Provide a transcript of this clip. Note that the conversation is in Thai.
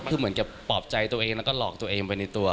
คือเหมือนกับปลอบใจตัวเองแล้วก็หลอกตัวเองไปในตัว